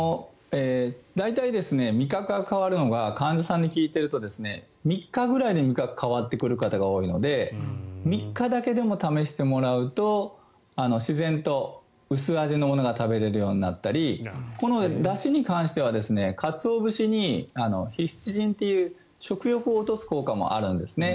大体、味覚が変わるのが患者さんに聞いていると３日ぐらいで味覚が変わってくる方が多いので３日だけでも試してもらうと自然と薄味のものが食べられるようになったりこのだしに関してはかつお節にヒスチジンという食欲を落とす効果もあるんですね。